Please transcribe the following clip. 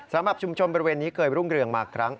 สำหรับชุมชนบริเวณนี้เคยรุ่งเรืองมาครั้ง